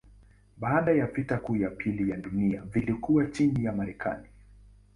Baada ya vita kuu ya pili ya dunia vilikuwa chini ya Marekani.